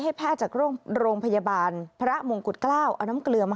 แพทย์จากโรงพยาบาลพระมงกุฎเกล้าเอาน้ำเกลือมา